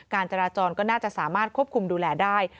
การจราจรก็น่าจะสามารถควบคุมดูแลได้